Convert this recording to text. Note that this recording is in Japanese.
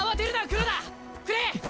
くれ！